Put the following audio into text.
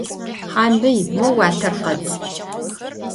Khanbiy, mo vuater khedz!